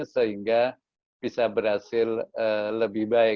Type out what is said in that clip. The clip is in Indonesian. sehingga bisa berhasil lebih baik